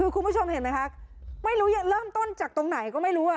คุณผู้ชมเห็นไหมคะไม่รู้เริ่มต้นจากตรงไหนก็ไม่รู้